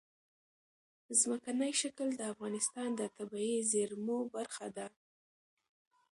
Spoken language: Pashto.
ځمکنی شکل د افغانستان د طبیعي زیرمو برخه ده.